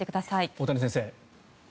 大谷先生。